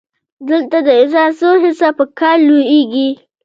دلته د انسان څو حسه په کار لویږي.